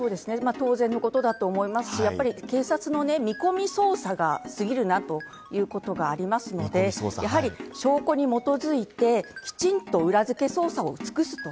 当然のことだと思いますし、警察の見込み捜査が過ぎるなということがありますので、やはり証拠に基づいて、きちんと裏付け捜査を尽くす。